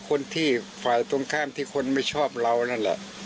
คนที่ฝ่ายตรงข้ามที่คนไม่ชอบเรานั่นแหละ